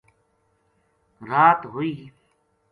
رات ہوئی